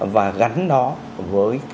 và gắn nó với